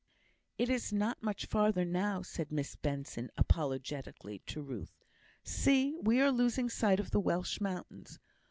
"It is not much further now," said Miss Benson, apologetically, to Ruth. "See! we are losing sight of the Welsh mountains.